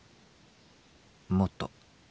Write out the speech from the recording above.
もっと。